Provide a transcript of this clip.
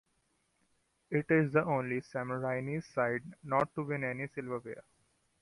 It is the only Sammarinese side not to win any silverware.